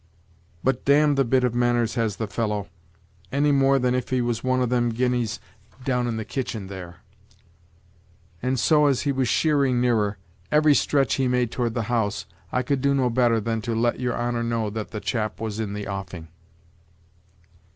But damn the bit of manners has the fellow, any more than if he was one of them Guineas down in the kitchen there; and so as he was sheering nearer, every stretch he made toward the house, I could do no better than to let your honor know that the chap was in the offing."